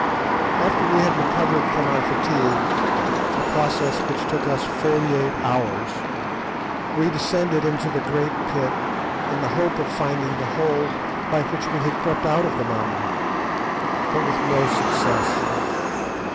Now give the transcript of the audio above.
After we had recovered from our fatigues, a process which took us forty eight hours, we descended into the great pit in the hope of finding the hole by which we had crept out of the mountain, but with no success.